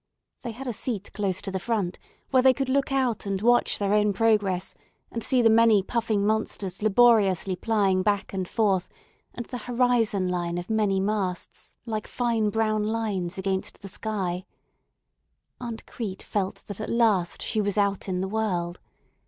They had a seat close to the front, where they could look out and watch their own progress and see the many puffing monsters laboriously plying back and forth, and the horizon line of many masts, like fine brown lines against the sky. Aunt Crete felt that at last she was out in the world.